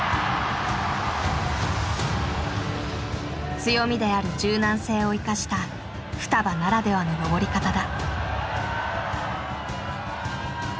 強みである柔軟性を生かしたふたばならではの登り方だ。